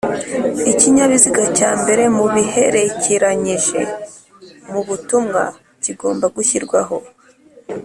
Ikinyabiziga cya mbere mu biherekeranyije mu butumwa kigomba gushyirwaho